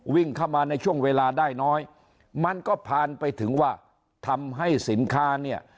วิ่งเข้ามาในช่วงเวลาได้น้อยมันก็ผ่านไปถึงว่าทำให้สินค้าเนี่ย